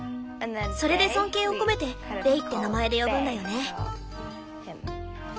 それで尊敬を込めてベイって名前で呼ぶんだよね。